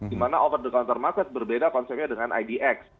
dimana over the counter market berbeda konsepnya dengan idx